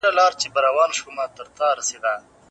معیوبین د ټولنې مهمه برخه ده.